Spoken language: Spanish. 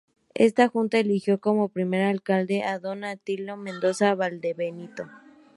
Esta Junta eligió como primer Alcalde a Don Atilio Mendoza Valdebenito.